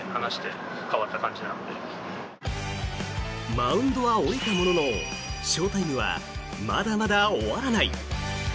マウンドは降りたもののショータイムはまだまだ終わらない。